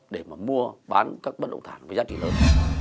để mà mua bán các bất động sản với giá trị lớn